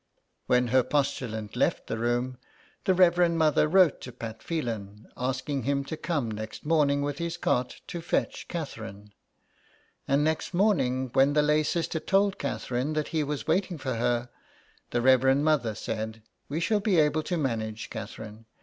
When her postulant left the room, the Reverend Mother wrote to Pat Phelan, asking him to come next morning with his cart to fetch Catherine. And next morning, when the lay sister told Catherine that he was waiting for her, the Reverend Mother said :" We shall be able to manage, Catherine.